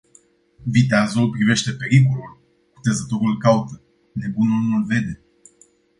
Viteazul privește pericolul; cutezătorul îl caută; nebunul nu-l vede.